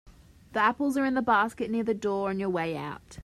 The apples are in the basket near the door on your way out.